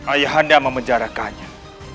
ayah anda memenjarakannya